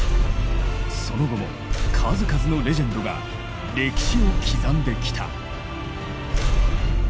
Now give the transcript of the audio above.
その後も数々のレジェンドが歴史を刻んできた。